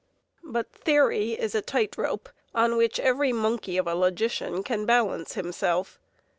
But theory is a tight rope on which every monkey of a logician can balance himself.